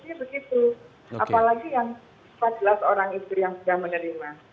apalagi yang empat belas orang itu yang sudah menerima